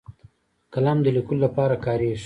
قلم د لیکلو لپاره کارېږي